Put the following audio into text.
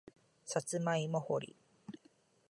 さつまいも掘り